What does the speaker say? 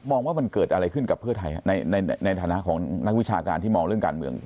มองว่ามันเกิดอะไรขึ้นกับเพื่อไทยในฐานะของนักวิชาการที่มองเรื่องการเมือง